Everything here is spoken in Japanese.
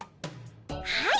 はい！